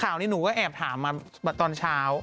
นี้หนูก็แอบถามมาตอนเช้า